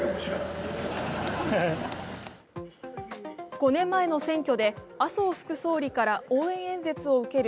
５年前の選挙で、麻生副総理から応援演説を受ける